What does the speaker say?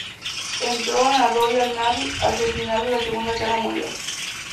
Entró en la Royal Navy hacia el final de Segunda Guerra Mundial.